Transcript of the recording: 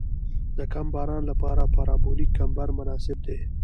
د کم باران لپاره پارابولیک کمبر مناسب دی